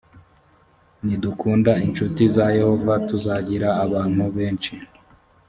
nidukunda inshuti za yehova tuzagira abantu benshi